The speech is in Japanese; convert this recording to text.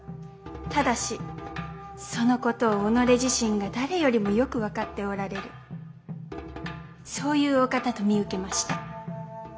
ただしそのことを己自身が誰よりもよく分かっておられるそういうお方と見受けました。